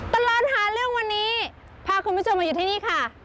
ตลอดหาเรื่องวันนี้พาคุณผู้ชมมาอยู่ที่นี่ค่ะ